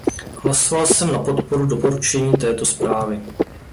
Hlasoval jsem na podporu doporučení této zprávy.